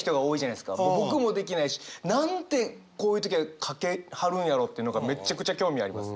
僕もできないし。なんてこういう時はかけはるんやろうっていうのがめちゃくちゃ興味あります。